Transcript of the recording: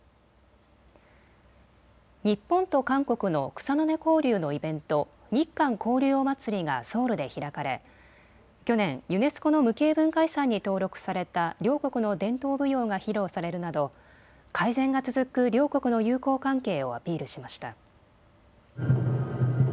日本と韓国の草の根交流のイベント、日韓交流おまつりがソウルで開かれ去年、ユネスコの無形文化遺産に登録された両国の伝統舞踊が披露されるなど改善が続く両国の友好関係をアピールしました。